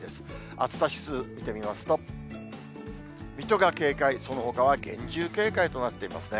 暑さ指数、見てみますと、水戸が警戒、そのほかは厳重警戒となっていますね。